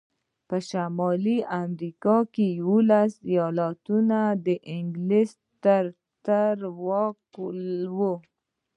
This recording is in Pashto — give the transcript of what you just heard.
په شمالي امریکا کې یوولس ایالتونه د انګلیس تر ولکې وو.